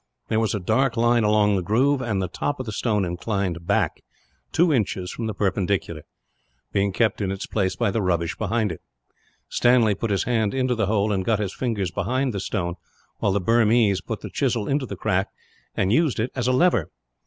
There was a dark line along the groove, and the top of the stone inclined back, two inches from the perpendicular; being kept in its place by the rubbish behind it. Stanley put his hand into the hole, and got his fingers behind the stone; while the Burmese put the chisel into the crack, and used it as a lever.